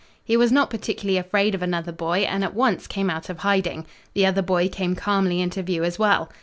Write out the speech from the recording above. He was not particularly afraid of another boy and at once came out of hiding. The other boy came calmly into view as well.